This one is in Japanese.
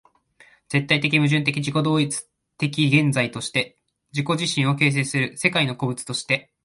絶対矛盾的自己同一的現在として自己自身を形成する世界の個物として、